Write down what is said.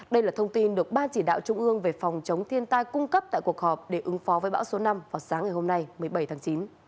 đây là thông tin được ban chỉ đạo trung ương về phòng chống thiên tai cung cấp tại cuộc họp để ứng phó với bão số năm vào sáng ngày hôm nay một mươi bảy tháng chín